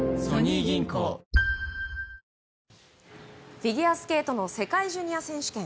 フィギュアスケートの世界ジュニア選手権。